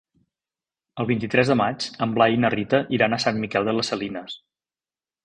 El vint-i-tres de maig en Blai i na Rita iran a Sant Miquel de les Salines.